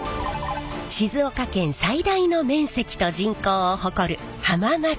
静岡県最大の面積と人口を誇る浜松市。